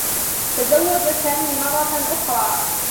تزوّج سامي مرّة أخرى.